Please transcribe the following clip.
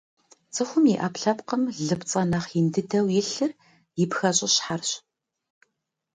Цӏыхум и ӏэпкълъэпкъым лыпцӏэ нэхъ ин дыдэу илъыр и пхэщӏыщхьэрщ.